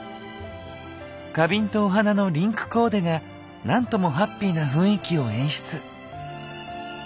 花瓶とお花のリンクコーデがなんともハッピーな雰囲気を演出。